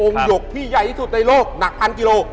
หยกที่ใหญ่ที่สุดในโลกหนักพันกิโล